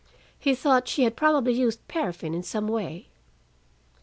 He thought she had probably used paraffin in some way.